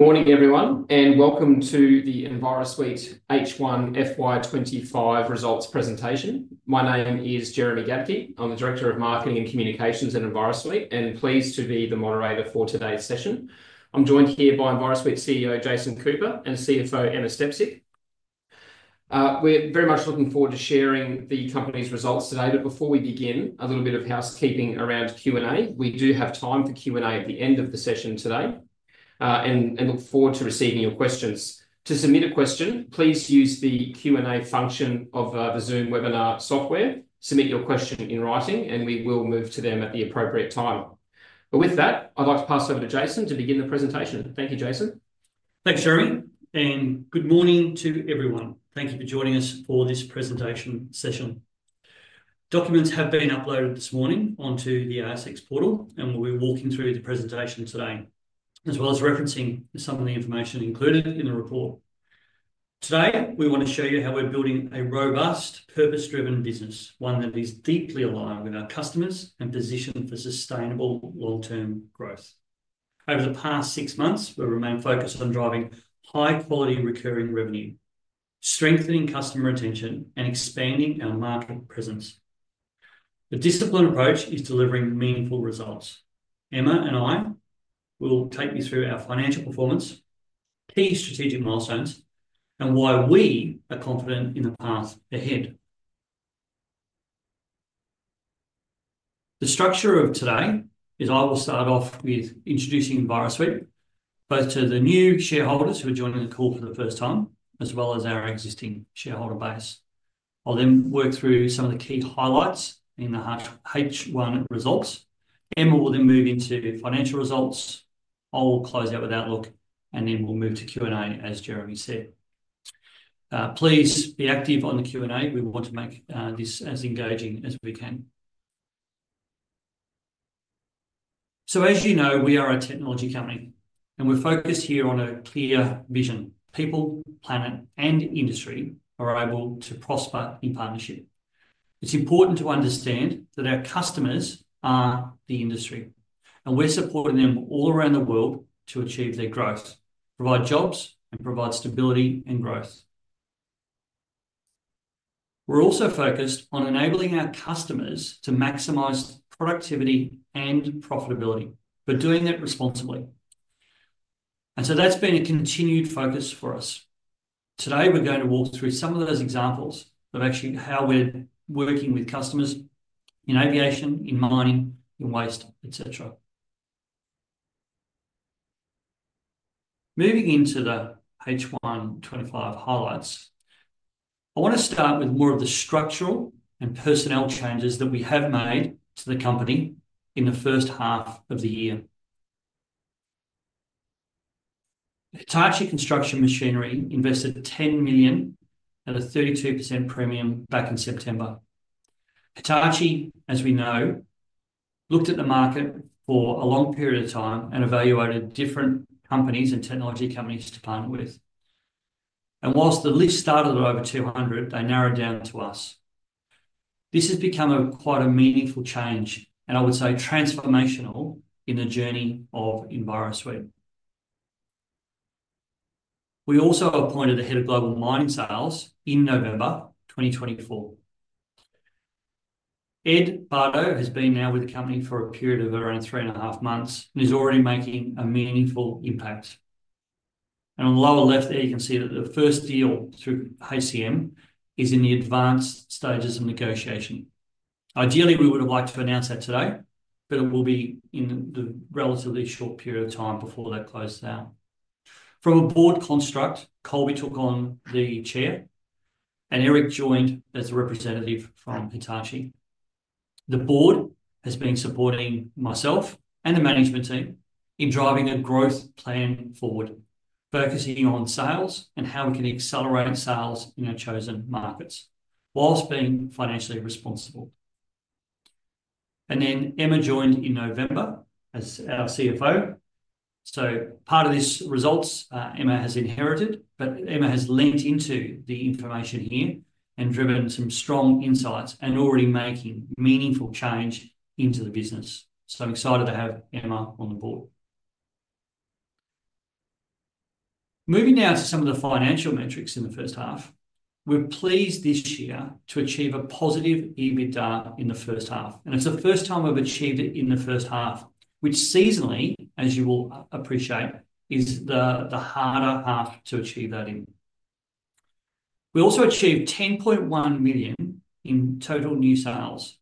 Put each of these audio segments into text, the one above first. Good morning, everyone, and welcome to the Envirosuite H1 FY25 results presentation. My name is Jeremy Gaedtke. I'm the Director of Marketing and Communications at Envirosuite, and pleased to be the moderator for today's session. I'm joined here by Envirosuite CEO Jason Cooper and CFO Emma Stepcic. We're very much looking forward to sharing the company's results today. Before we begin, a little bit of housekeeping around Q&A. We do have time for Q&A at the end of the session today, and look forward to receiving your questions. To submit a question, please use the Q&A function of the Zoom webinar software. Submit your question in writing, and we will move to them at the appropriate time. With that, I'd like to pass it over to Jason to begin the presentation. Thank you, Jason. Thanks, Jeremy. Good morning to everyone. Thank you for joining us for this presentation session. Documents have been uploaded this morning onto the ASX portal, and we will be walking through the presentation today, as well as referencing some of the information included in the report. Today, we want to show you how we are building a robust, purpose-driven business, one that is deeply aligned with our customers and positioned for sustainable long-term growth. Over the past six months, we have remained focused on driving high-quality recurring revenue, strengthening customer retention, and expanding our market presence. The disciplined approach is delivering meaningful results. Emma and I will take you through our financial performance, key strategic milestones, and why we are confident in the path ahead. The structure of today is I will start off with introducing Envirosuite, both to the new shareholders who are joining the call for the first time, as well as our existing shareholder base. I'll then work through some of the key highlights in the H1 results. Emma will then move into financial results. I'll close out with Outlook, and then we'll move to Q&A, as Jeremy said. Please be active on the Q&A. We want to make this as engaging as we can. As you know, we are a technology company, and we're focused here on a clear vision. People, planet, and industry are able to prosper in partnership. It's important to understand that our customers are the industry, and we're supporting them all around the world to achieve their growth, provide jobs, and provide stability and growth. We're also focused on enabling our customers to maximize productivity and profitability, but doing that responsibly. That's been a continued focus for us. Today, we're going to walk through some of those examples of actually how we're working with customers in aviation, in mining, in waste, etc. Moving into the H125 highlights, I want to start with more of the structural and personnel changes that we have made to the company in the first half of the year. Hitachi Construction Machinery invested 10 million at a 32% premium back in September. Hitachi, as we know, looked at the market for a long period of time and evaluated different companies and technology companies to partner with. Whilst the list started at over 200, they narrowed down to us. This has become quite a meaningful change, and I would say transformational in the journey of Envirosuite. We also appointed the Head of Global Mining Sales in November 2024. Ed Bardo has been now with the company for a period of around three and a half months and is already making a meaningful impact. On the lower left there, you can see that the first deal through HCM is in the advanced stages of negotiation. Ideally, we would have liked to announce that today, but it will be in the relatively short period of time before that close down. From a board construct, Colby took on the Chair, and Eric joined as a representative from Hitachi. The board has been supporting myself and the management team in driving a growth plan forward, focusing on sales and how we can accelerate sales in our chosen markets whilst being financially responsible. Emma joined in November as our CFO. Part of these results Emma has inherited, but Emma has leaned into the information here and driven some strong insights and already making meaningful change into the business. I am excited to have Emma on the board. Moving now to some of the financial metrics in the first half. We are pleased this year to achieve a positive EBITDA in the first half. It is the first time we have achieved it in the first half, which seasonally, as you will appreciate, is the harder half to achieve that in. We also achieved 10.1 million in total new sales,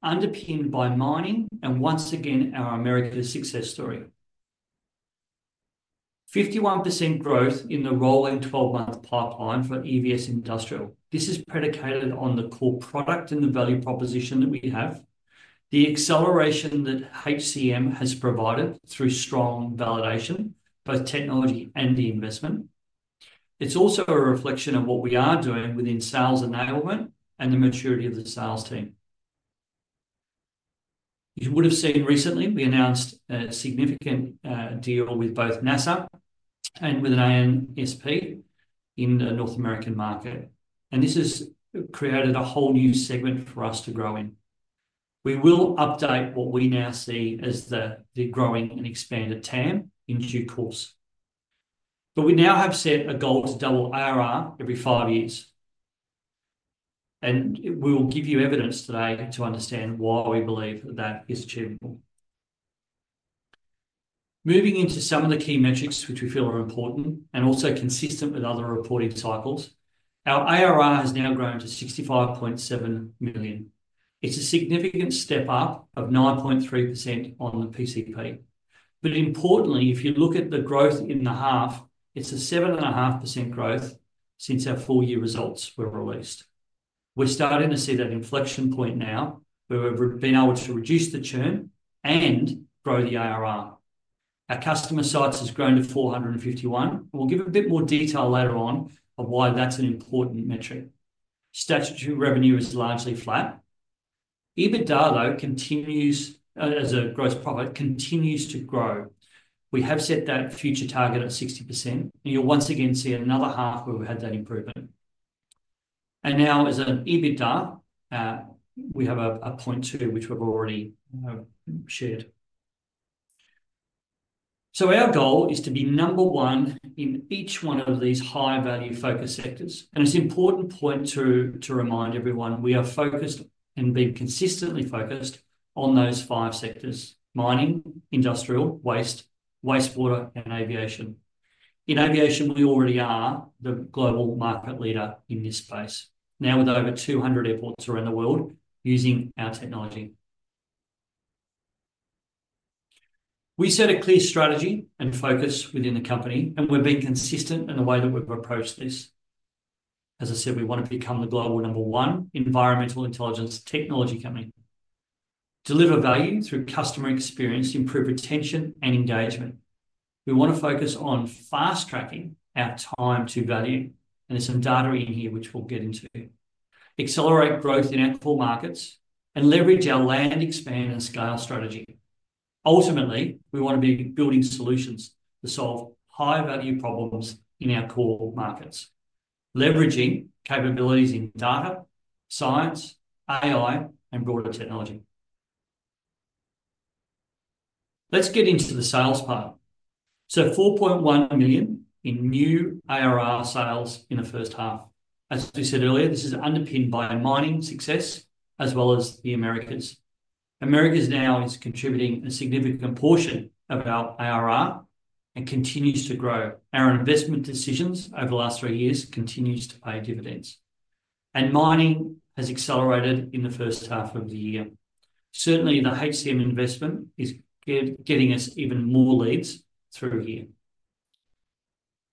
underpinned by mining and once again our Americas success story. 51% growth in the rolling 12-month pipeline for EVS Industrial. This is predicated on the core product and the value proposition that we have, the acceleration that HCM has provided through strong validation, both technology and the investment. It's also a reflection of what we are doing within sales enablement and the maturity of the sales team. You would have seen recently we announced a significant deal with both NASA and with an ANSP in the North American market. This has created a whole new segment for us to grow in. We will update what we now see as the growing and expanded TAM in due course. We now have set a goal to double ARR every five years. We will give you evidence today to understand why we believe that is achievable. Moving into some of the key metrics which we feel are important and also consistent with other reporting cycles, our ARR has now grown to 65.7 million. It's a significant step up of 9.3% on the PCP. Importantly, if you look at the growth in the half, it's a 7.5% growth since our full year results were released. We're starting to see that inflection point now where we've been able to reduce the churn and grow the ARR. Our customer sites has grown to 451. We'll give a bit more detail later on of why that's an important metric. Statutory revenue is largely flat. EBITDA, though, continues as a gross profit, continues to grow. We have set that future target at 60%, and you'll once again see another half where we've had that improvement. Now, as an EBITDA, we have a 0.2, which we've already shared. Our goal is to be number one in each one of these high-value focus sectors. It's important to remind everyone we are focused and being consistently focused on those five sectors: mining, industrial, waste, wastewater, and aviation. In aviation, we already are the global market leader in this space, now with over 200 airports around the world using our technology. We set a clear strategy and focus within the company, and we've been consistent in the way that we've approached this. As I said, we want to become the global number one environmental intelligence technology company, deliver value through customer experience, improve retention, and engagement. We want to focus on fast-tracking our time to value, and there's some data in here which we'll get into, accelerate growth in our core markets, and leverage our land expand and scale strategy. Ultimately, we want to be building solutions to solve high-value problems in our core markets, leveraging capabilities in data, science, AI, and broader technology. Let's get into the sales part. $4.1 million in new ARR sales in the first half. As we said earlier, this is underpinned by mining success as well as the Americas. Americas now is contributing a significant portion of our ARR and continues to grow. Our investment decisions over the last three years continue to pay dividends. Mining has accelerated in the first half of the year. Certainly, the HCM investment is getting us even more leads through here.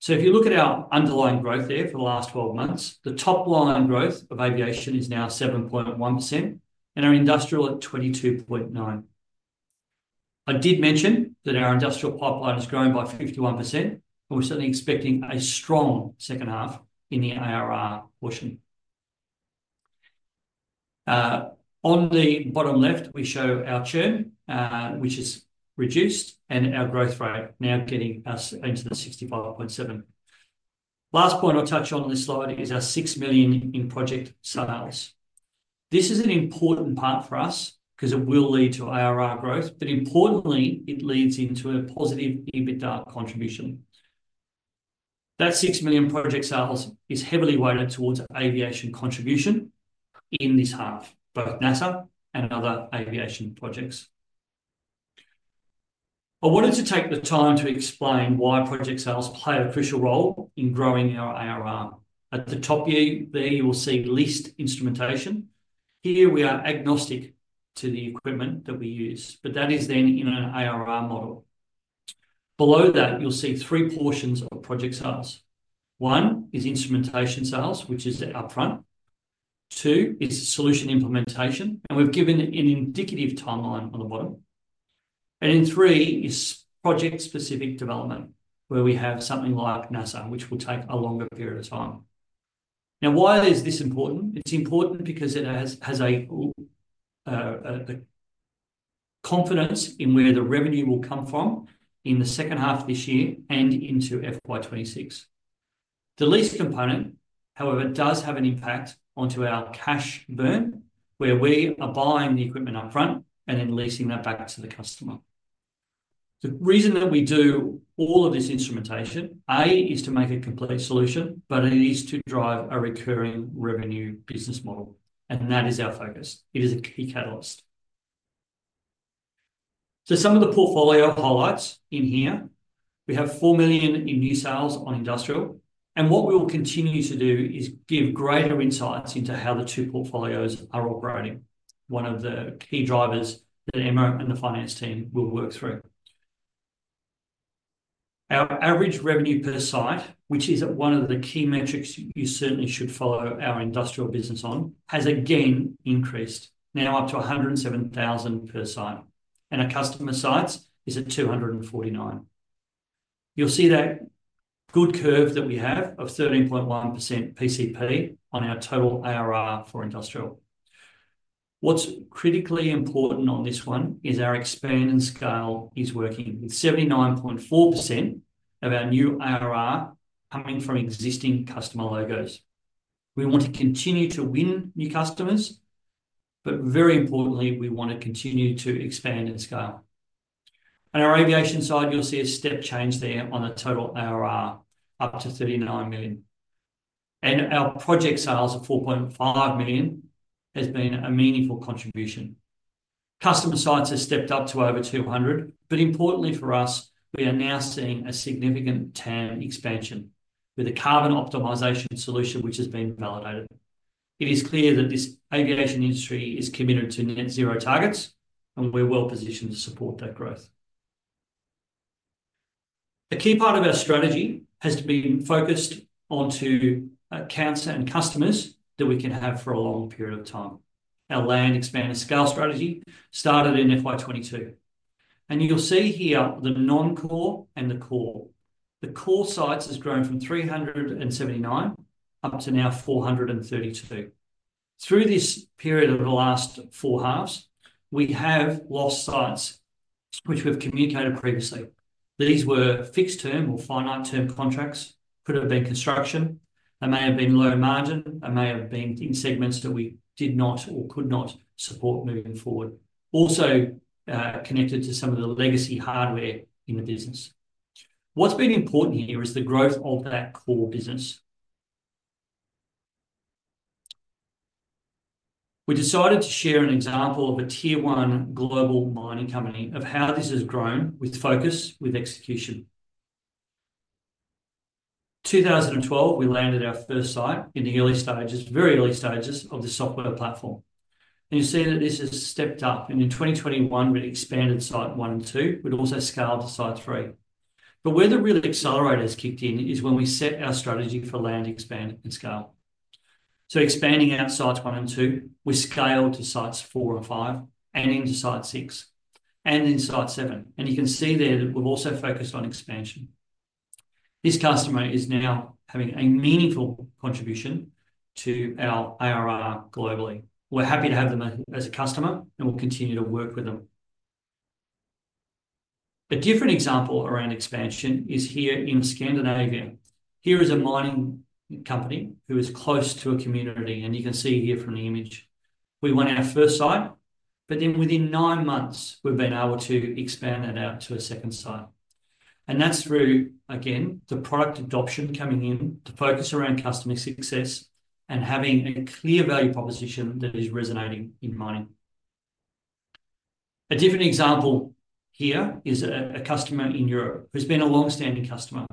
If you look at our underlying growth there for the last 12 months, the top line growth of aviation is now 7.1%, and our industrial at 22.9%. I did mention that our industrial pipeline has grown by 51%, and we're certainly expecting a strong second half in the ARR portion. On the bottom left, we show our churn, which has reduced, and our growth rate now getting us into the 65.7%. Last point I'll touch on on this slide is our 6 million in project sales. This is an important part for us because it will lead to ARR growth, but importantly, it leads into a positive EBITDA contribution. That 6 million project sales is heavily weighted towards aviation contribution in this half, both NASA and other aviation projects. I wanted to take the time to explain why project sales play an official role in growing our ARR. At the top there, you will see leased instrumentation. Here we are agnostic to the equipment that we use, but that is then in an ARR model. Below that, you'll see three portions of project sales. One is instrumentation sales, which is the upfront. Two is solution implementation, and we've given an indicative timeline on the bottom. Three is project-specific development, where we have something like NASA, which will take a longer period of time. Now, why is this important? It's important because it has a confidence in where the revenue will come from in the second half of this year and into FY26. The lease component, however, does have an impact onto our cash burn, where we are buying the equipment upfront and then leasing that back to the customer. The reason that we do all of this instrumentation, A, is to make a complete solution, but it is to drive a recurring revenue business model, and that is our focus. It is a key catalyst. Some of the portfolio highlights in here, we have 4 million in new sales on industrial. What we will continue to do is give greater insights into how the two portfolios are operating, one of the key drivers that Emma and the finance team will work through. Our average revenue per site, which is one of the key metrics you certainly should follow our industrial business on, has again increased, now up to 107,000 per site. Our customer sites is at 249,000. You will see that good curve that we have of 13.1% PCP on our total ARR for industrial. What is critically important on this one is our expand and scale is working. It is 79.4% of our new ARR coming from existing customer logos. We want to continue to win new customers, but very importantly, we want to continue to expand and scale. On our aviation side, you will see a step change there on the total ARR up to 39 million. Our project sales of 4.5 million has been a meaningful contribution. Customer sites have stepped up to over 200. Importantly for us, we are now seeing a significant TAM expansion with a carbon optimization solution which has been validated. It is clear that this aviation industry is committed to net zero targets, and we are well positioned to support that growth. A key part of our strategy has to be focused onto accounts and customers that we can have for a long period of time. Our land expand and scale strategy started in FY22. You will see here the non-core and the core. The core sites have grown from 379 up to now 432. Through this period of the last four halves, we have lost sites which we have communicated previously. These were fixed-term or finite-term contracts, could have been construction, and may have been low margin, and may have been in segments that we did not or could not support moving forward, also connected to some of the legacy hardware in the business. What is important here is the growth of that core business. We decided to share an example of a tier-one global mining company of how this has grown with focus, with execution. In 2012, we landed our first site in the early stages, very early stages of the software platform. You see that this has stepped up. In 2021, we expanded site one and two. We had also scaled to site three. Where the real accelerators kicked in is when we set our strategy for land expand and scale. Expanding out sites one and two, we scaled to sites four and five and into site six and then site seven. You can see there that we've also focused on expansion. This customer is now having a meaningful contribution to our ARR globally. We're happy to have them as a customer, and we'll continue to work with them. A different example around expansion is here in Scandinavia. Here is a mining company who is close to a community, and you can see here from the image. We won our first site, but then within nine months, we've been able to expand that out to a second site. That's through, again, the product adoption coming in, the focus around customer success, and having a clear value proposition that is resonating in mining. A different example here is a customer in Europe who's been a long-standing customer.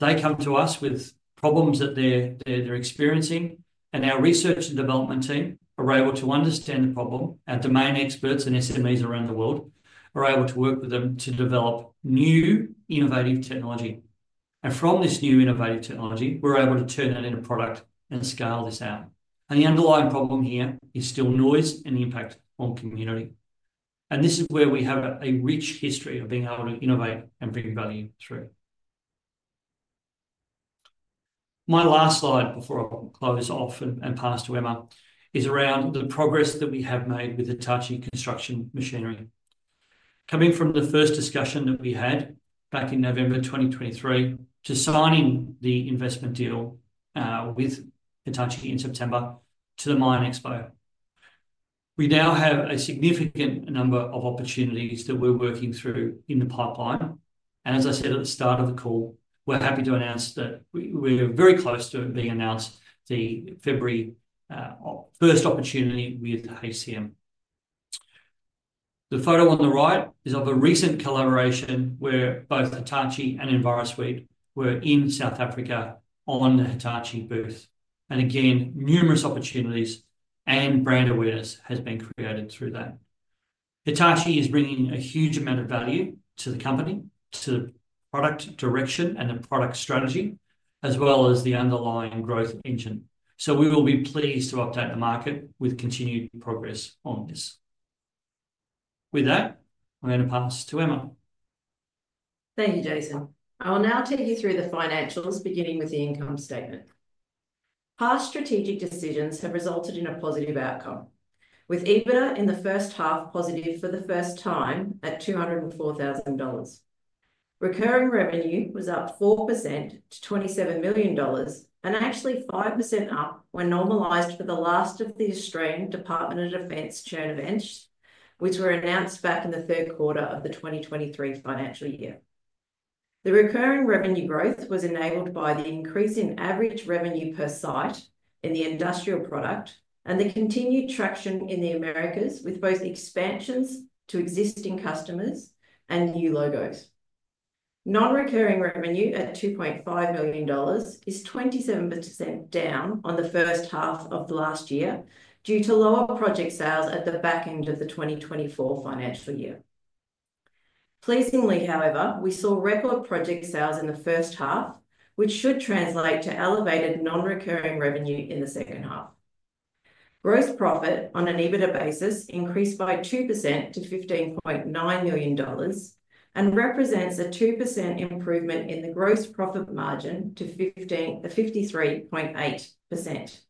They come to us with problems that they're experiencing, and our research and development team are able to understand the problem. Our domain experts and SMEs around the world are able to work with them to develop new innovative technology. From this new innovative technology, we're able to turn that into product and scale this out. The underlying problem here is still noise and impact on community. This is where we have a rich history of being able to innovate and bring value through. My last slide before I close off and pass to Emma is around the progress that we have made with Hitachi Construction Machinery. Coming from the first discussion that we had back in November 2023 to signing the investment deal with Hitachi in September to the Mine Expo, we now have a significant number of opportunities that we're working through in the pipeline. As I said at the start of the call, we're happy to announce that we're very close to being announced the first opportunity with HCM. The photo on the right is of a recent collaboration where both Hitachi and Envirosuite were in South Africa on the Hitachi booth. Again, numerous opportunities and brand awareness has been created through that. Hitachi is bringing a huge amount of value to the company, to the product direction and the product strategy, as well as the underlying growth engine. We will be pleased to update the market with continued progress on this. With that, I'm going to pass to Emma. Thank you, Jason. I'll now take you through the financials, beginning with the income statement. Past strategic decisions have resulted in a positive outcome, with EBITDA in the first half positive for the first time at $204,000. Recurring revenue was up 4% to $27 million, and actually 5% up when normalized for the last of the Australian Department of Defense churn events, which were announced back in the third quarter of the 2023 financial year. The recurring revenue growth was enabled by the increase in average revenue per site in the industrial product and the continued traction in the Americas with both expansions to existing customers and new logos. Non-recurring revenue at $2.5 million is 27% down on the first half of last year due to lower project sales at the back end of the 2024 financial year. Pleasingly, however, we saw record project sales in the first half, which should translate to elevated non-recurring revenue in the second half. Gross profit on an EBITDA basis increased by 2% to $15.9 million and represents a 2% improvement in the gross profit margin to 53.8%.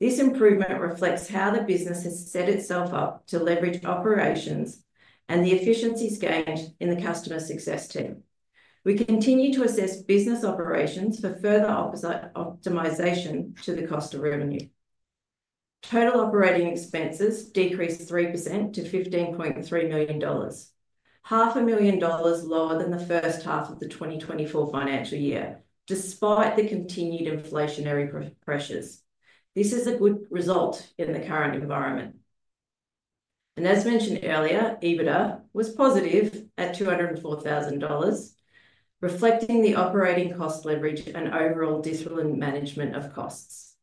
This improvement reflects how the business has set itself up to leverage operations and the efficiencies gained in the customer success team. We continue to assess business operations for further optimization to the cost of revenue. Total operating expenses decreased 3% to $15.3 million, $500,000 lower than the first half of the 2024 financial year, despite the continued inflationary pressures. This is a good result in the current environment. As mentioned earlier, EBITDA was positive at $204,000, reflecting the operating cost leverage and overall discipline management of costs.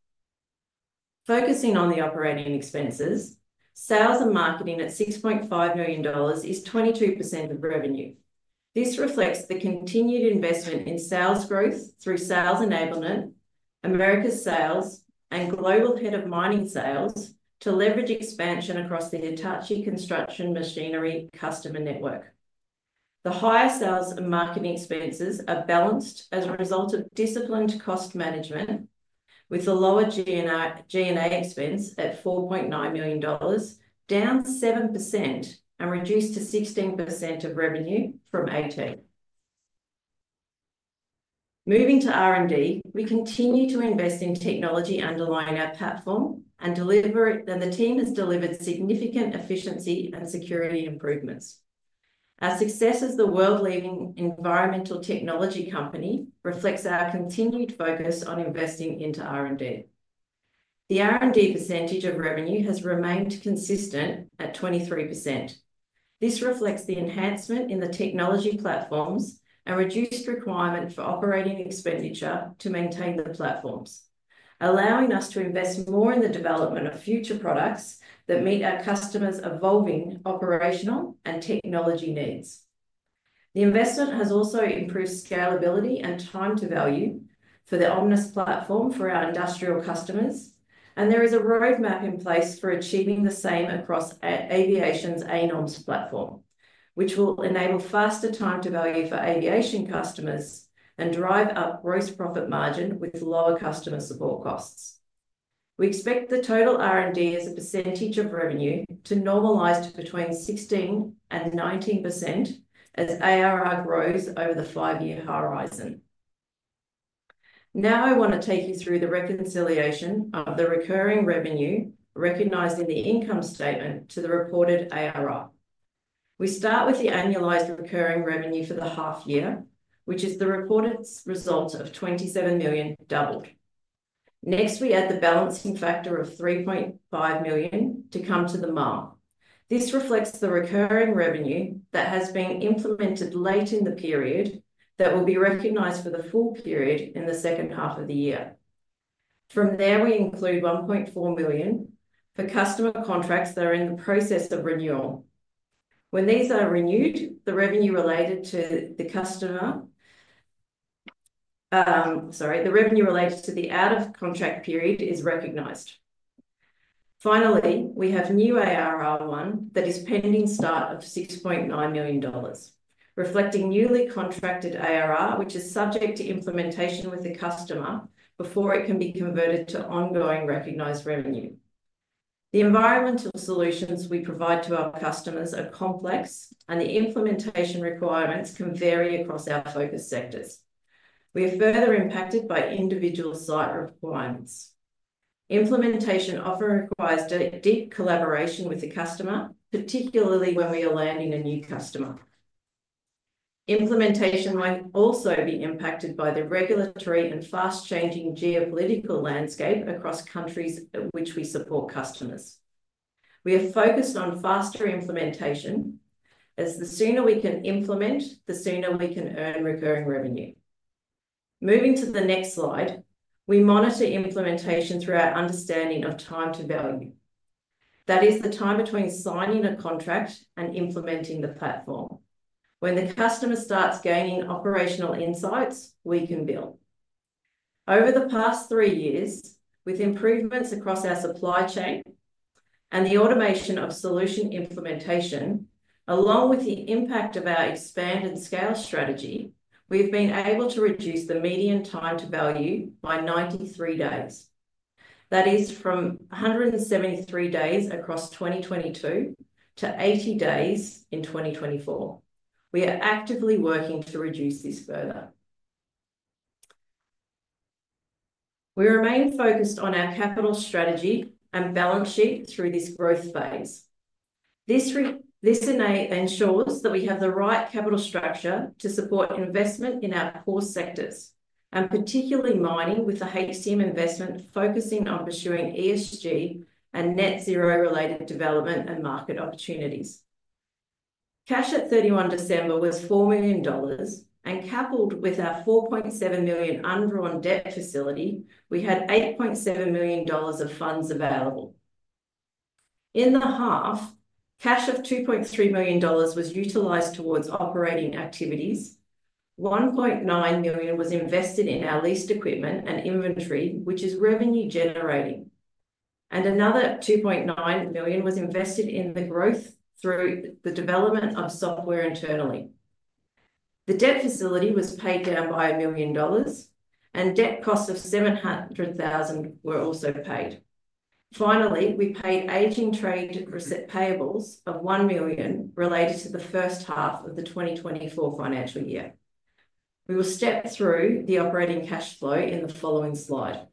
Focusing on the operating expenses, sales and marketing at $6.5 million is 22% of revenue. This reflects the continued investment in sales growth through sales enablement, Americas sales, and global head of mining sales to leverage expansion across the Hitachi Construction Machinery customer network. The higher sales and marketing expenses are balanced as a result of disciplined cost management, with the lower G&A expense at $4.9 million, down 7% and reduced to 16% of revenue from 2018. Moving to R&D, we continue to invest in technology underlying our platform, and the team has delivered significant efficiency and security improvements. Our success as the world-leading environmental technology company reflects our continued focus on investing into R&D. The R&D percentage of revenue has remained consistent at 23%. This reflects the enhancement in the technology platforms and reduced requirement for operating expenditure to maintain the platforms, allowing us to invest more in the development of future products that meet our customers' evolving operational and technology needs. The investment has also improved scalability and time to value for the Omnis platform for our industrial customers, and there is a roadmap in place for achieving the same across aviation's ANOMS platform, which will enable faster time to value for aviation customers and drive up gross profit margin with lower customer support costs. We expect the total R&D as a percentage of revenue to normalize to between 16% and 19% as ARR grows over the five-year horizon. Now I want to take you through the reconciliation of the recurring revenue recognized in the income statement to the reported ARR. We start with the annualized recurring revenue for the half year, which is the reported result of 27 million, doubled. Next, we add the balancing factor of 3.5 million to come to the mark. This reflects the recurring revenue that has been implemented late in the period that will be recognized for the full period in the second half of the year. From there, we include 1.4 million for customer contracts that are in the process of renewal. When these are renewed, the revenue related to the customer, sorry, the revenue related to the out-of-contract period is recognized. Finally, we have new ARR one that is pending start of $6.9 million, reflecting newly contracted ARR, which is subject to implementation with the customer before it can be converted to ongoing recognized revenue. The environmental solutions we provide to our customers are complex, and the implementation requirements can vary across our focus sectors. We are further impacted by individual site requirements. Implementation often requires deep collaboration with the customer, particularly when we are landing a new customer. Implementation might also be impacted by the regulatory and fast-changing geopolitical landscape across countries which we support customers. We are focused on faster implementation, as the sooner we can implement, the sooner we can earn recurring revenue. Moving to the next slide, we monitor implementation through our understanding of time to value. That is the time between signing a contract and implementing the platform. When the customer starts gaining operational insights, we can build. Over the past three years, with improvements across our supply chain and the automation of solution implementation, along with the impact of our expand and scale strategy, we have been able to reduce the median time to value by 93 days. That is from 173 days across 2022 to 80 days in 2024. We are actively working to reduce this further. We remain focused on our capital strategy and balance sheet through this growth phase. This ensures that we have the right capital structure to support investment in our core sectors, and particularly mining with the HCM investment focusing on pursuing ESG and net zero-related development and market opportunities. Cash at 31 December was $4 million, and coupled with our 4.7 million underwritten debt facility, we had $8.7 million of funds available. In the half, cash of $2.3 million was utilized towards operating activities. 1.9 million was invested in our leased equipment and inventory, which is revenue-generating. Another 2.9 million was invested in the growth through the development of software internally. The debt facility was paid down by 1 million dollars, and debt costs of 700,000 were also paid. Finally, we paid aging trade payables of 1 million related to the first half of the 2024 financial year. We will step through the operating cash flow in the following slide.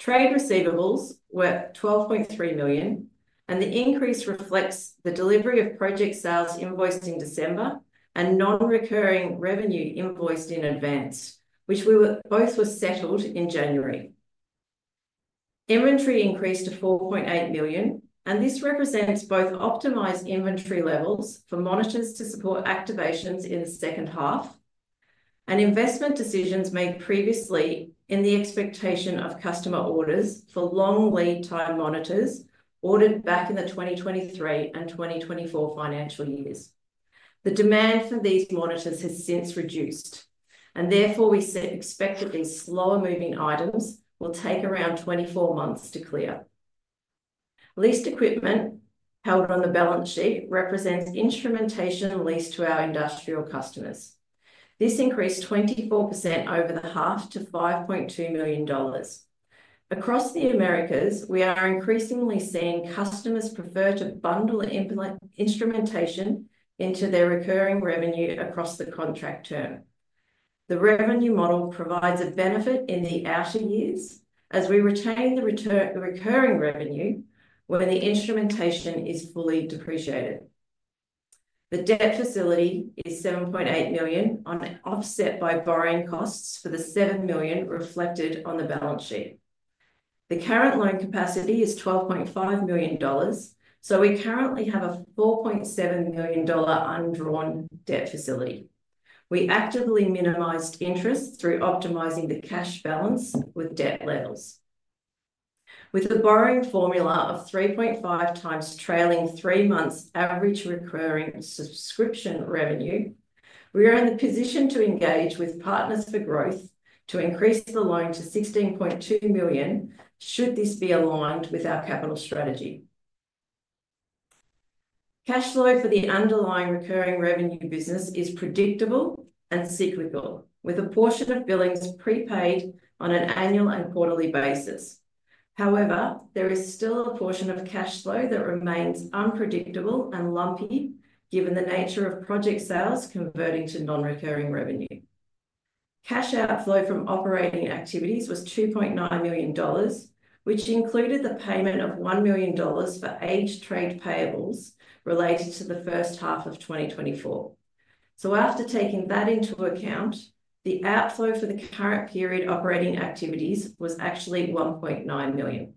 Trade receivables were 12.3 million, and the increase reflects the delivery of project sales invoiced in December and non-recurring revenue invoiced in advance, which we both were settled in January. Inventory increased to 4.8 million, and this represents both optimized inventory levels for monitors to support activations in the second half and investment decisions made previously in the expectation of customer orders for long lead time monitors ordered back in the 2023 and 2024 financial years. The demand for these monitors has since reduced, and therefore we expect that these slower-moving items will take around 24 months to clear. Leased equipment held on the balance sheet represents instrumentation leased to our industrial customers. This increased 24% over the half to $5.2 million. Across the Americas, we are increasingly seeing customers prefer to bundle instrumentation into their recurring revenue across the contract term. The revenue model provides a benefit in the outer years as we retain the recurring revenue when the instrumentation is fully depreciated. The debt facility is 7.8 million, offset by borrowing costs for the 7 million reflected on the balance sheet. The current loan capacity is $12.5 million, so we currently have a $4.7 million undrawn debt facility. We actively minimized interest through optimizing the cash balance with debt levels. With the borrowing formula of 3.5 times trailing three months average recurring subscription revenue, we are in the position to engage with Partners for Growth to increase the loan to 16.2 million should this be aligned with our capital strategy. Cash flow for the underlying recurring revenue business is predictable and cyclical, with a portion of billings prepaid on an annual and quarterly basis. However, there is still a portion of cash flow that remains unpredictable and lumpy given the nature of project sales converting to non-recurring revenue. Cash outflow from operating activities was $2.9 million, which included the payment of $1 million for aged trade payables related to the first half of 2024. After taking that into account, the outflow for the current period operating activities was actually 1.9 million.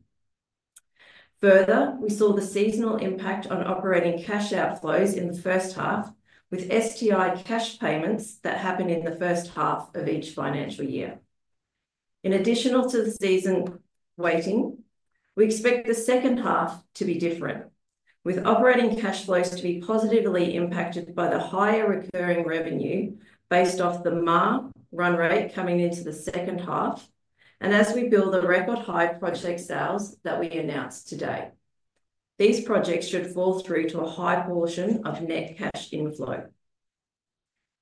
Further, we saw the seasonal impact on operating cash outflows in the first half, with STI cash payments that happen in the first half of each financial year. In addition to the season weighting, we expect the second half to be different, with operating cash flows to be positively impacted by the higher recurring revenue based off the ARR run rate coming into the second half, and as we build a record high project sales that we announced today. These projects should fall through to a high portion of net cash inflow.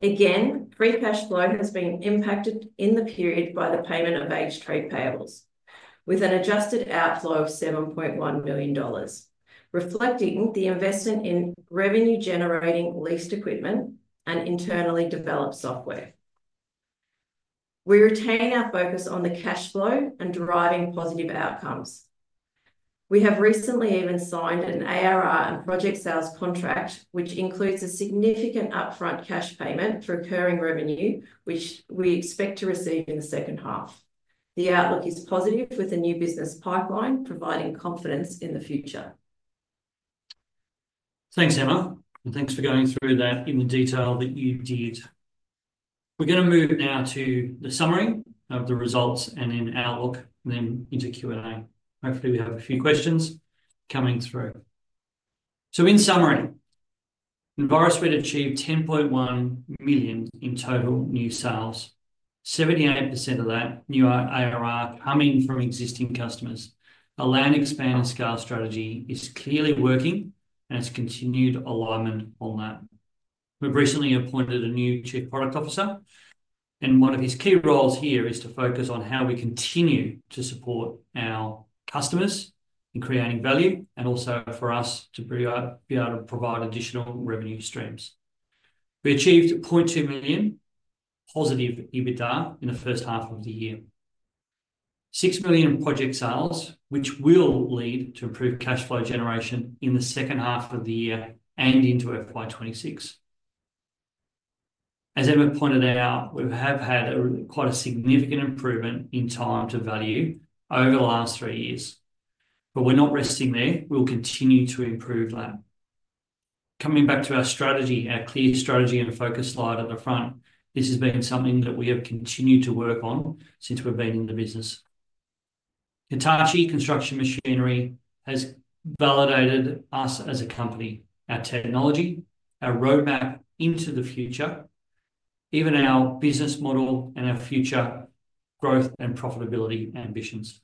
Again, free cash flow has been impacted in the period by the payment of aged trade payables, with an adjusted outflow of $7.1 million, reflecting the investment in revenue-generating leased equipment and internally developed software. We retain our focus on the cash flow and driving positive outcomes. We have recently even signed an ARR and project sales contract, which includes a significant upfront cash payment for recurring revenue, which we expect to receive in the second half. The outlook is positive, with a new business pipeline providing confidence in the future. Thanks, Emma, and thanks for going through that in the detail that you did. We are going to move now to the summary of the results and then Outlook, and then into Q&A. Hopefully, we have a few questions coming through. In summary, Envirosuite achieved 10.1 million in total new sales, 78% of that new ARR coming from existing customers. Our land expand and scale strategy is clearly working, and it's continued alignment on that. We've recently appointed a new Chief Product Officer, and one of his key roles here is to focus on how we continue to support our customers in creating value and also for us to be able to provide additional revenue streams. We achieved 0.2 million positive EBITDA in the first half of the year, 6 million in project sales, which will lead to improved cash flow generation in the second half of the year and into FY2026. As Emma pointed out, we have had quite a significant improvement in time to value over the last three years, but we're not resting there. We'll continue to improve that. Coming back to our strategy, our clear strategy and focus slide at the front, this has been something that we have continued to work on since we've been in the business. Hitachi Construction Machinery has validated us as a company, our technology, our roadmap into the future, even our business model and our future growth and profitability ambitions.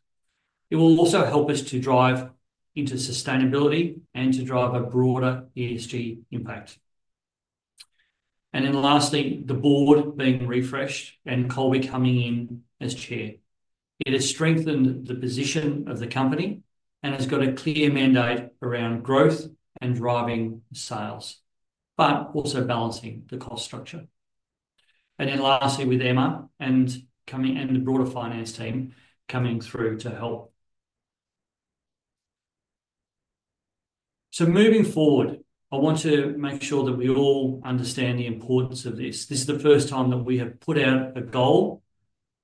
It will also help us to drive into sustainability and to drive a broader ESG impact. Lastly, the board being refreshed and Colby coming in as Chair. It has strengthened the position of the company and has got a clear mandate around growth and driving sales, but also balancing the cost structure. Lastly, with Emma and the broader finance team coming through to help. Moving forward, I want to make sure that we all understand the importance of this. This is the first time that we have put out a goal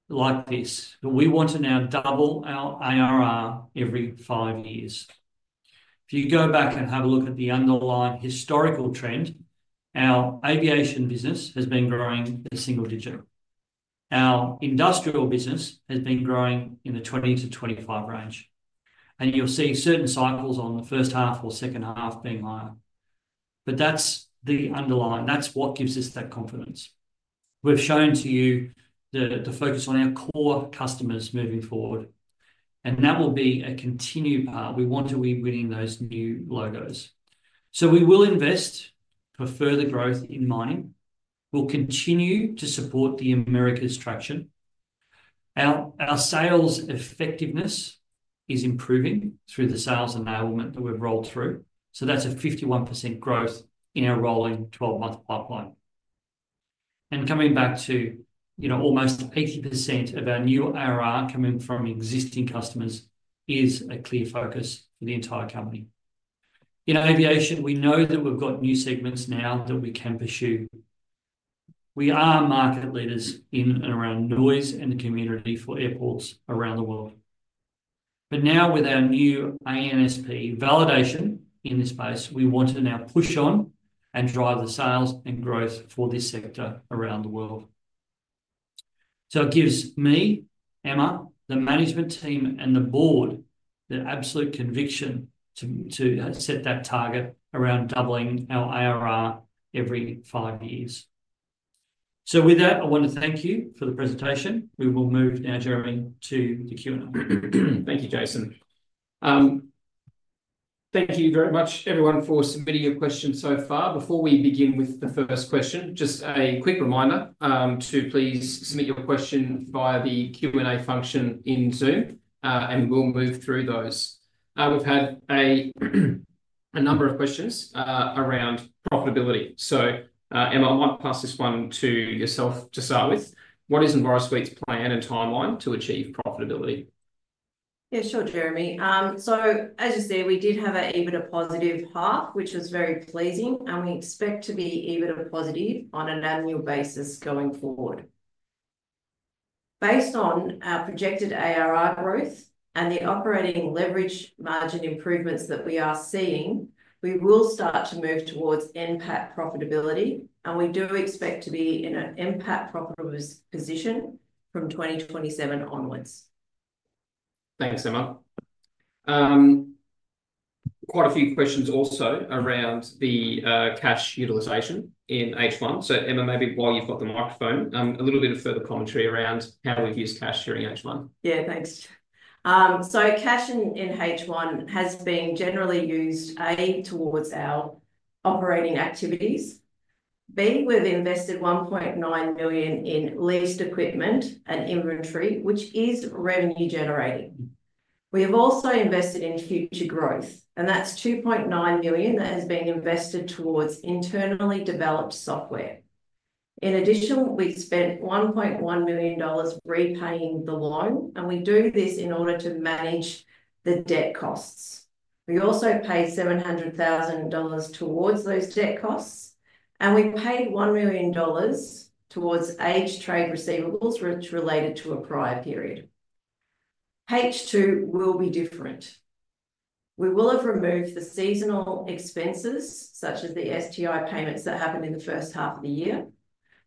like this, but we want to now double our ARR every five years. If you go back and have a look at the underlying historical trend, our aviation business has been growing at a single digit. Our industrial business has been growing in the 20-25 range, and you'll see certain cycles on the first half or second half being higher. That is the underlying—that is what gives us that confidence. We've shown to you the focus on our core customers moving forward, and that will be a continued path. We want to be winning those new logos. We will invest for further growth in mining. We will continue to support the Americas traction. Our sales effectiveness is improving through the sales enablement that we've rolled through. That is a 51% growth in our rolling 12-month pipeline. Coming back to, you know, almost 80% of our new ARR coming from existing customers is a clear focus for the entire company. In aviation, we know that we've got new segments now that we can pursue. We are market leaders in and around noise and the community for airports around the world. Now, with our new ANSP validation in this space, we want to now push on and drive the sales and growth for this sector around the world. It gives me, Emma, the management team, and the board the absolute conviction to set that target around doubling our ARR every five years. I want to thank you for the presentation. We will move now, Jeremy, to the Q&A. Thank you, Jason. Thank you very much, everyone, for submitting your questions so far. Before we begin with the first question, just a quick reminder to please submit your question via the Q&A function in Zoom, and we'll move through those. We've had a number of questions around profitability. Emma, I might pass this one to yourself to start with. What is Envirosuite's plan and timeline to achieve profitability? Yeah, sure, Jeremy. As you said, we did have an EBITDA positive half, which was very pleasing, and we expect to be EBITDA positive on an annual basis going forward. Based on our projected ARR growth and the operating leverage margin improvements that we are seeing, we will start to move towards NPAT profitability, and we do expect to be in an NPAT profitable position from 2027 onwards. Thanks, Emma. Quite a few questions also around the cash utilization in H1. Emma, maybe while you've got the microphone, a little bit of further commentary around how we've used cash during H1. Yeah, thanks. Cash in H1 has been generally used, A, towards our operating activities. B, we've invested 1.9 million in leased equipment and inventory, which is revenue-generating. We have also invested in future growth, and that's 2.9 million that has been invested towards internally developed software. In addition, we've spent 1.1 million dollars repaying the loan, and we do this in order to manage the debt costs. We also paid $700,000 towards those debt costs, and we paid $1 million towards aged trade receivables, which related to a prior period. Page two will be different. We will have removed the seasonal expenses, such as the STI payments that happened in the first half of the year.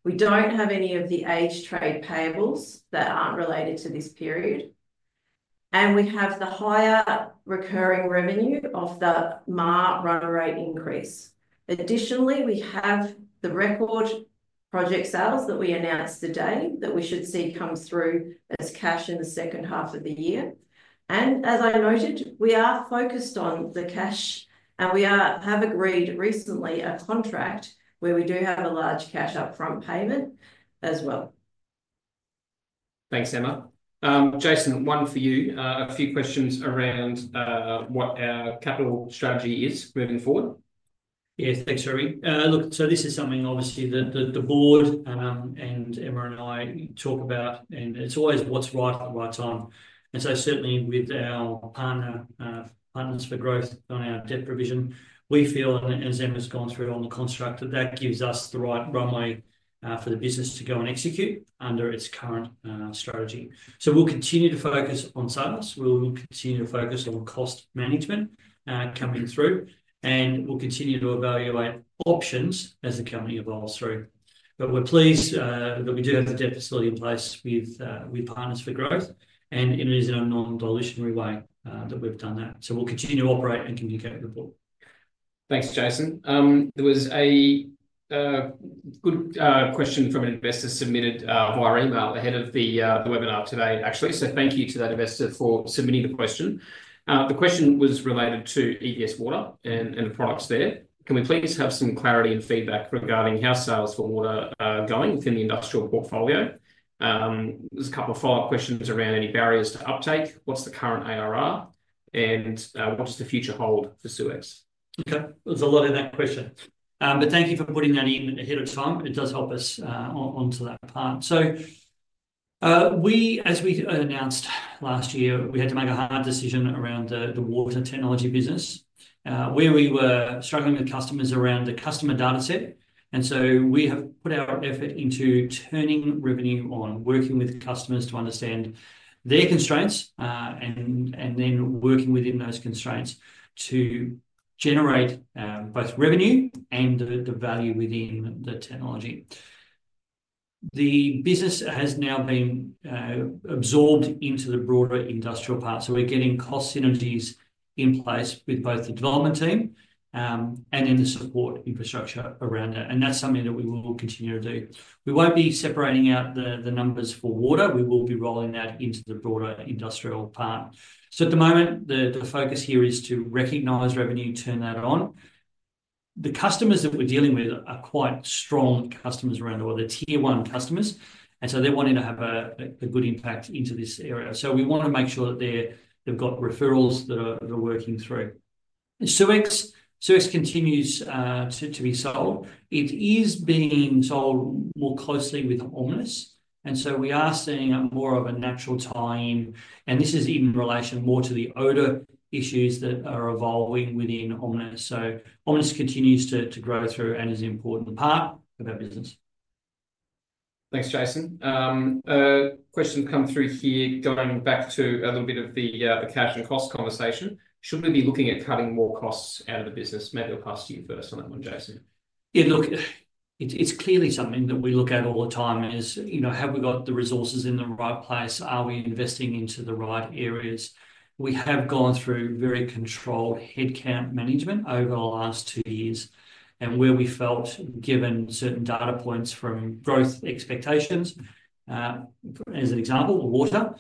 We do not have any of the aged trade payables that are not related to this period, and we have the higher recurring revenue of the ARR run rate increase. Additionally, we have the record project sales that we announced today that we should see come through as cash in the second half of the year. As I noted, we are focused on the cash, and we have agreed recently a contract where we do have a large cash upfront payment as well. Thanks, Emma. Jason, one for you. A few questions around what our capital strategy is moving forward. Yeah, thanks, Jeremy. Look, this is something obviously that the board and Emma and I talk about, and it is always what is right at the right time. Certainly with our Partners for Growth on our debt provision, we feel, and as Emma's gone through on the construct, that that gives us the right runway for the business to go and execute under its current strategy. We will continue to focus on sales. We will continue to focus on cost management coming through, and we will continue to evaluate options as the company evolves through. We are pleased that we do have the debt facility in place with Partners for Growth, and it is in a non-dilutionary way that we have done that. We will continue to operate and communicate with the board. Thanks, Jason. There was a good question from an investor submitted via email ahead of the webinar today, actually. Thank you to that investor for submitting the question. The question was related to EVS Water and the products there. Can we please have some clarity and feedback regarding how sales for water are going within the industrial portfolio? There's a couple of follow-up questions around any barriers to uptake. What's the current ARR, and what does the future hold for SeweX? Okay, there's a lot in that question, but thank you for putting that in ahead of time. It does help us onto that part. As we announced last year, we had to make a hard decision around the water technology business where we were struggling with customers around the customer data set. We have put our effort into turning revenue on, working with customers to understand their constraints, and then working within those constraints to generate both revenue and the value within the technology. The business has now been absorbed into the broader industrial part. We're getting cost synergies in place with both the development team and then the support infrastructure around it. That's something that we will continue to do. We won't be separating out the numbers for water. We will be rolling that into the broader industrial part. At the moment, the focus here is to recognize revenue, turn that on. The customers that we're dealing with are quite strong customers around the world, the tier one customers. They're wanting to have a good impact into this area. We want to make sure that they've got referrals that are working through. SeweX continues to be sold. It is being sold more closely with Omnis. We are seeing more of a natural time. This is in relation more to the odor issues that are evolving within Omnis. Omnis continues to grow through and is an important part of our business. Thanks, Jason. A question come through here going back to a little bit of the cash and cost conversation. Should we be looking at cutting more costs out of the business? Maybe I'll pass to you first on that one, Jason. Yeah, look, it's clearly something that we look at all the time is, you know, have we got the resources in the right place? Are we investing into the right areas? We have gone through very controlled headcount management over the last two years and where we felt, given certain data points from growth expectations, as an example, water,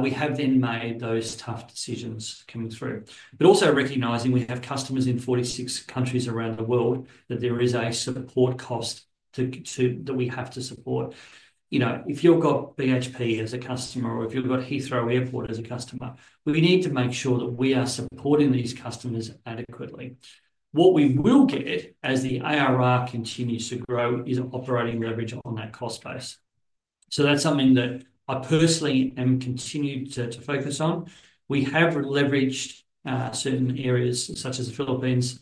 we have then made those tough decisions coming through. Also recognizing we have customers in 46 countries around the world that there is a support cost that we have to support. You know, if you've got BHP as a customer or if you've got Heathrow Airport as a customer, we need to make sure that we are supporting these customers adequately. What we will get as the ARR continues to grow is operating leverage on that cost base. That is something that I personally am continuing to focus on. We have leveraged certain areas such as the Philippines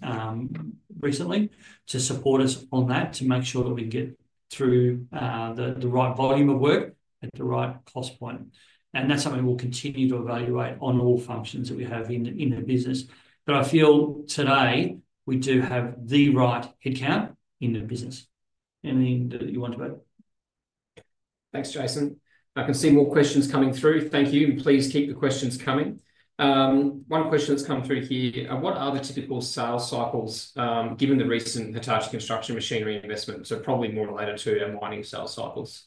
recently to support us on that to make sure that we get through the right volume of work at the right cost point. That is something we will continue to evaluate on all functions that we have in the business. I feel today we do have the right headcount in the business. Anything that you want to add? Thanks, Jason. I can see more questions coming through. Thank you. Please keep the questions coming. One question that's come through here, what are the typical sales cycles given the recent Hitachi Construction Machinery investment? Probably more related to our mining sales cycles.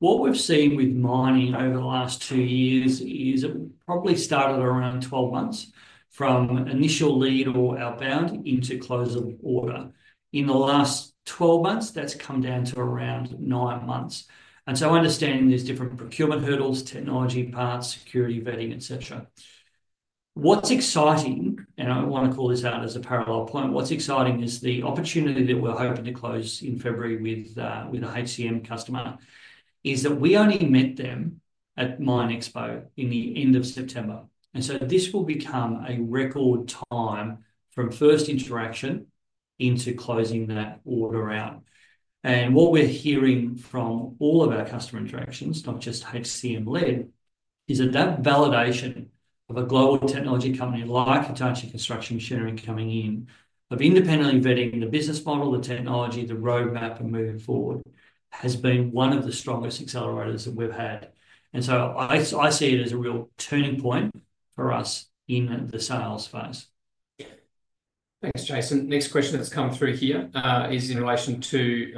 What we've seen with mining over the last two years is it probably started around 12 months from initial lead or outbound into close of order. In the last 12 months, that's come down to around nine months. I understand there's different procurement hurdles, technology parts, security, vetting, etc. What's exciting, and I want to call this out as a parallel point, what's exciting is the opportunity that we're hoping to close in February with a Hitachi customer is that we only met them at Mine Expo in the end of September. This will become a record time from first interaction into closing that order out. What we're hearing from all of our customer interactions, not just HCM-led, is that validation of a global technology company like Hitachi Construction Machinery coming in, of independently vetting the business model, the technology, the roadmap and moving forward has been one of the strongest accelerators that we've had. I see it as a real turning point for us in the sales phase. Thanks, Jason. Next question that's come through here is in relation to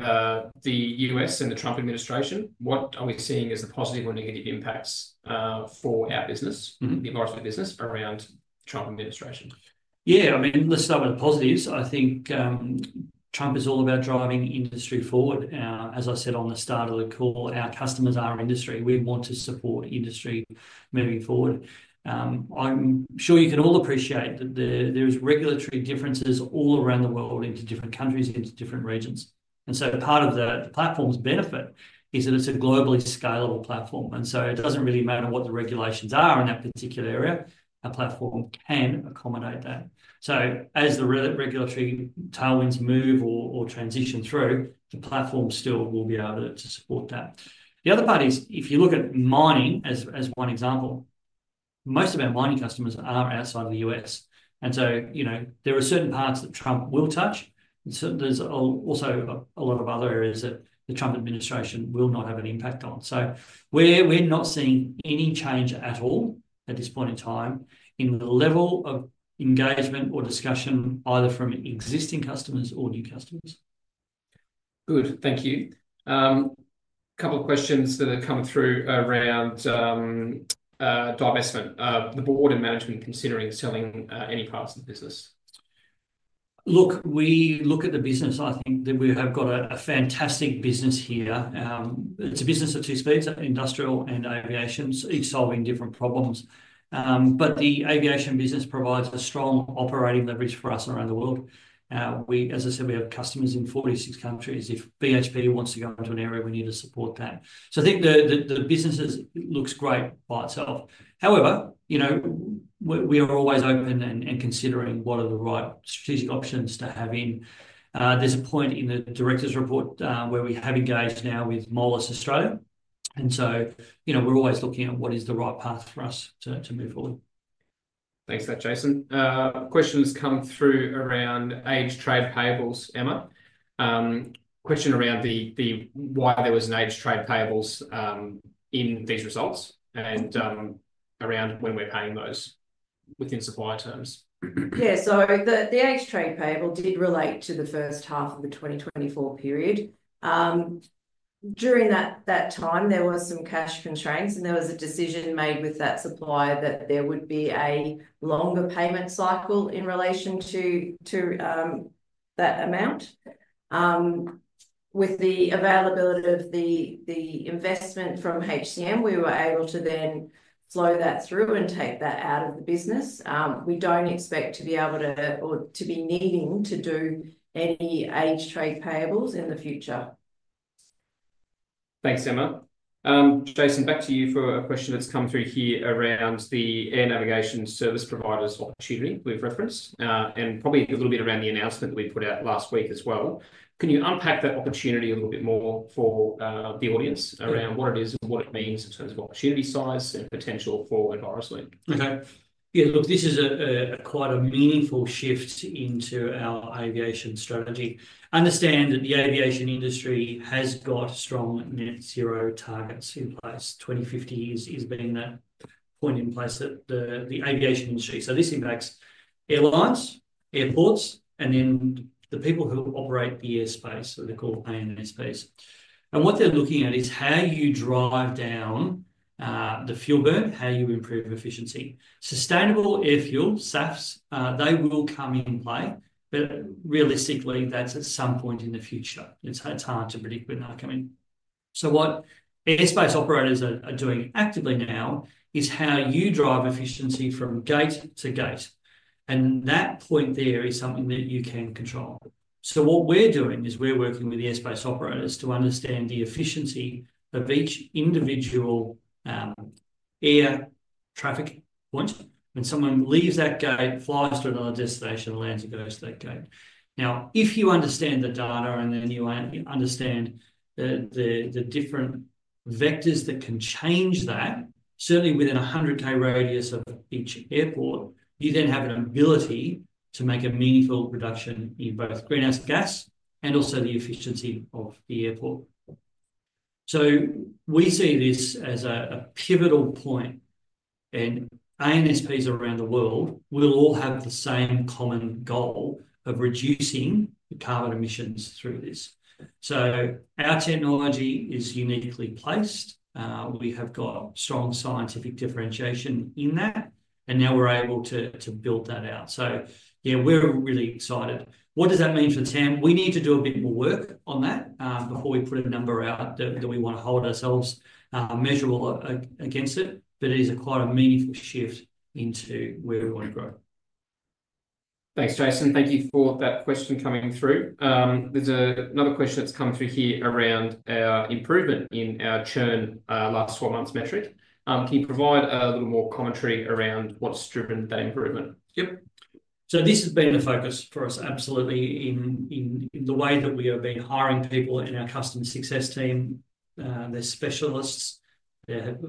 the U.S. and the Trump administration. What are we seeing as the positive or negative impacts for our business, the Envirosuite business, around the Trump administration? Yeah, I mean, let's start with the positives. I think Trump is all about driving industry forward. As I said on the start of the call, our customers are industry. We want to support industry moving forward. I'm sure you can all appreciate that there are regulatory differences all around the world into different countries, into different regions. Part of the platform's benefit is that it's a globally scalable platform. It doesn't really matter what the regulations are in that particular area. A platform can accommodate that. As the regulatory tailwinds move or transition through, the platform still will be able to support that. The other part is, if you look at mining as one example, most of our mining customers are outside of the U.S. You know, there are certain parts that Trump will touch, and there's also a lot of other areas that the Trump administration will not have an impact on. We're not seeing any change at all at this point in time in the level of engagement or discussion, either from existing customers or new customers. Good. Thank you. A couple of questions that have come through around divestment. The board and management considering selling any parts of the business? Look, we look at the business, I think that we have got a fantastic business here. It's a business of two speeds, industrial and aviation, solving different problems. The aviation business provides a strong operating leverage for us around the world. As I said, we have customers in 46 countries. If BHP wants to go into an area, we need to support that. I think the business looks great by itself. However, you know, we are always open and considering what are the right strategic options to have in. There's a point in the director's report where we have engaged now with Molus Australia. You know, we're always looking at what is the right path for us to move forward. Thanks for that, Jason. Questions come through around age trade payables, Emma. Question around why there was an age trade payables in these results and around when we're paying those within supply terms. Yeah, so the age trade payable did relate to the first half of the 2024 period. During that time, there were some cash constraints, and there was a decision made with that supply that there would be a longer payment cycle in relation to that amount. With the availability of the investment from Hitachi Construction Machinery, we were able to then flow that through and take that out of the business. We don't expect to be able to or to be needing to do any aged trade payables in the future. Thanks, Emma. Jason, back to you for a question that's come through here around the air navigation service providers opportunity we've referenced and probably a little bit around the announcement that we put out last week as well. Can you unpack that opportunity a little bit more for the audience around what it is and what it means in terms of opportunity size and potential for Envirosuite? Okay. Yeah, look, this is quite a meaningful shift into our aviation strategy. Understand that the aviation industry has got strong net zero targets in place. 2050 has been that point in place that the aviation industry. This impacts airlines, airports, and then the people who operate the airspace, what they call ANSPs. What they're looking at is how you drive down the fuel burn, how you improve efficiency. Sustainable air fuel, SAFs, they will come in play, but realistically, that's at some point in the future. It's hard to predict when they'll come in. What airspace operators are doing actively now is how you drive efficiency from gate to gate. That point there is something that you can control. What we're doing is we're working with airspace operators to understand the efficiency of each individual air traffic point. When someone leaves that gate, flies to another destination, lands and goes to that gate. Now, if you understand the data and then you understand the different vectors that can change that, certainly within a 100 km radius of each airport, you then have an ability to make a meaningful reduction in both greenhouse gas and also the efficiency of the airport. We see this as a pivotal point. ANSPs around the world will all have the same common goal of reducing the carbon emissions through this. Our technology is uniquely placed. We have got strong scientific differentiation in that, and now we're able to build that out. Yeah, we're really excited. What does that mean for the TAM? We need to do a bit more work on that before we put a number out that we want to hold ourselves measurable against. It is quite a meaningful shift into where we want to grow. Thanks, Jason. Thank you for that question coming through. There's another question that's come through here around our improvement in our churn last four months metric. Can you provide a little more commentary around what's driven that improvement? Yep. This has been a focus for us, absolutely, in the way that we have been hiring people in our customer success team. There are specialists.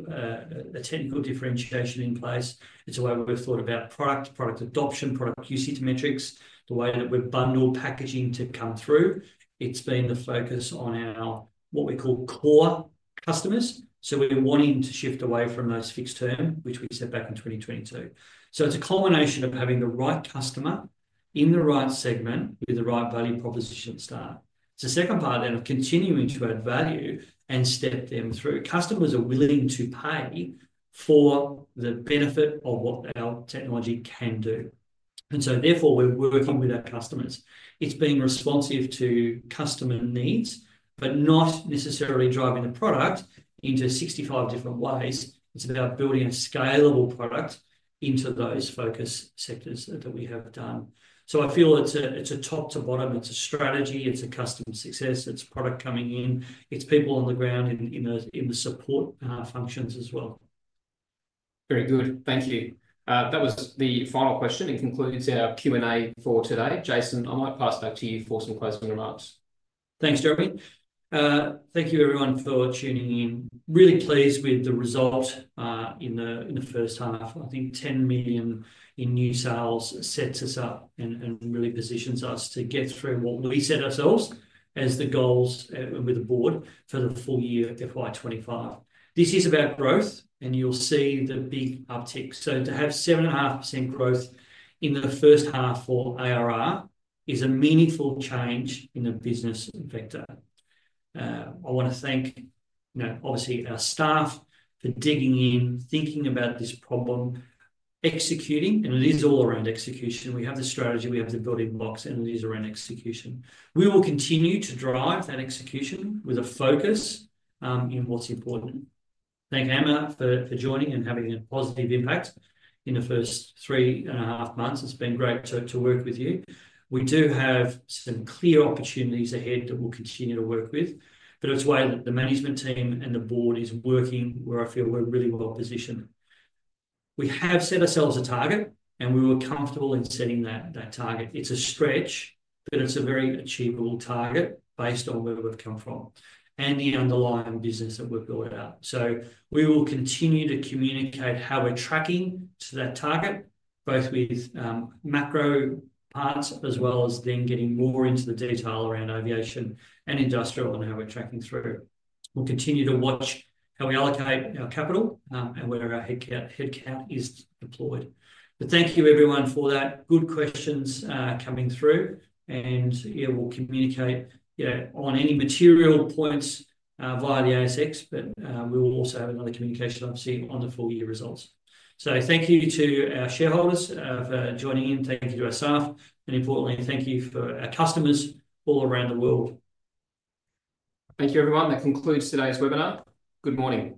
There's a technical differentiation in place. It's the way we've thought about product, product adoption, product usage metrics, the way that we've bundled packaging to come through. It's been the focus on our, what we call, core customers. We are wanting to shift away from those fixed term, which we set back in 2022. It's a combination of having the right customer in the right segment with the right value proposition start. It's the second part then of continuing to add value and step them through. Customers are willing to pay for the benefit of what our technology can do. Therefore, we're working with our customers. It's being responsive to customer needs, but not necessarily driving the product into 65 different ways. It's about building a scalable product into those focus sectors that we have done. I feel it's a top to bottom. It's a strategy. It's a customer success. It's product coming in. It's people on the ground in the support functions as well. Very good. Thank you. That was the final question and concludes our Q&A for today. Jason, I might pass back to you for some closing remarks. Thanks, Jeremy. Thank you, everyone, for tuning in. Really pleased with the result in the first half. I think 10 million in new sales sets us up and really positions us to get through what we set ourselves as the goals with the board for the full year FY2025. This is about growth, and you will see the big uptick. To have 7.5% growth in the first half for ARR is a meaningful change in the business vector. I want to thank, you know, obviously our staff for digging in, thinking about this problem, executing, and it is all around execution. We have the strategy, we have the building blocks, and it is around execution. We will continue to drive that execution with a focus in what is important. Thank you, Emma, for joining and having a positive impact in the first three and a half months. It has been great to work with you. We do have some clear opportunities ahead that we'll continue to work with, but it's a way that the management team and the board is working where I feel we're really well positioned. We have set ourselves a target, and we were comfortable in setting that target. It's a stretch, but it's a very achievable target based on where we've come from and the underlying business that we've built out. We will continue to communicate how we're tracking to that target, both with macro parts as well as then getting more into the detail around aviation and industrial and how we're tracking through. We'll continue to watch how we allocate our capital and where our headcount is deployed. Thank you, everyone, for that. Good questions coming through. Yeah, we'll communicate on any material points via the ASX, but we will also have another communication, obviously, on the full year results. Thank you to our shareholders for joining in. Thank you to our staff. And importantly, thank you for our customers all around the world. Thank you, everyone. That concludes today's webinar. Good morning.